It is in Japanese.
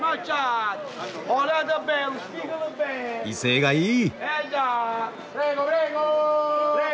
威勢がいい！